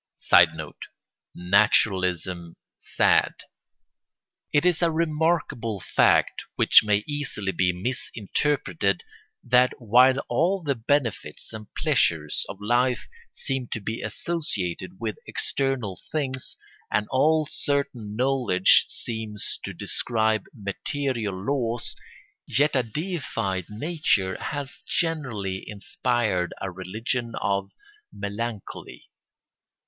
[Sidenote: Naturalism sad.] It is a remarkable fact, which may easily be misinterpreted, that while all the benefits and pleasures of life seem to be associated with external things, and all certain knowledge seems to describe material laws, yet a deified nature has generally inspired a religion of melancholy.